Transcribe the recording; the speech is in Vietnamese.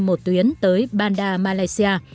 một tuyến tới bandar malaysia